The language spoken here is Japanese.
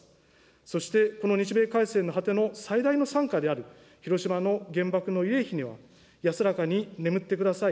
そして、この日米開戦の果ての最大の惨禍である広島の原爆の慰霊碑には、安らかに眠って下さい。